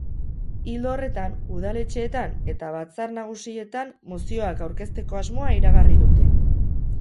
Ildo horretan, udaletxeetan eta batzar nagusietan mozioak aurkezteko asmoa iragarri dute.